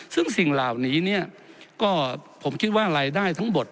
ซึ่งสิ่งเหล่านี้ผมคิดว่ารายได้ทั้งบท